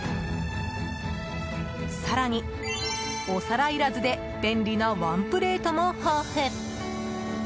更に、お皿いらずで便利なワンプレートも豊富。